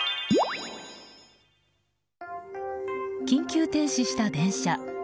緊急停止した電車。